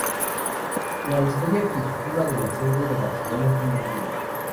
La historia primitiva de la sede de Barcelona es muy antigua.